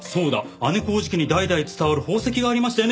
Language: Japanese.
姉小路家に代々伝わる宝石がありましたよね？